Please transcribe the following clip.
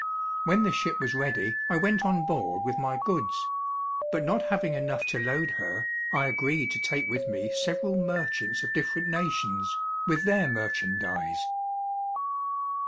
When the ship was ready, I went on board with my goods: but not having enough to load her, I agreed to take with me several merchants of different nations, with their merchandise.